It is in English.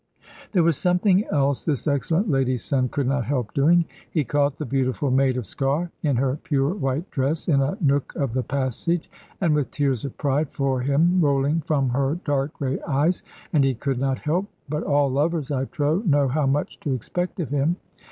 There was something else this excellent lady's son could not help doing. He caught the beautiful maid of Sker in her pure white dress in a nook of the passage, and with tears of pride for him rolling from her dark grey eyes, and he could not help but all lovers, I trow, know how much to expect of him.